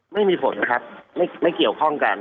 ไม่มีผลครับไม่เกี่ยวข้องกัน